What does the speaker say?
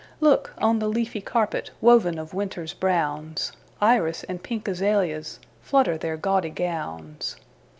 Look—on the leafy carpetWoven of winter's brownsIris and pink azaleasFlutter their gaudy gowns.